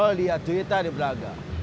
kalo liat juita di belaga